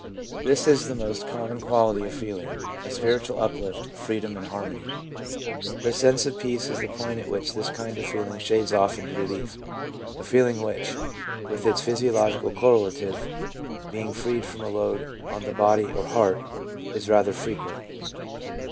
This is the most common quality of feeling — a spiritual uplift, freedom and harmony. The sense of peace is the point at which this kind of feeling shades off into relief — a feeling which, with its physiological correlative, being freed from a load on the body or heart, is rather frequent.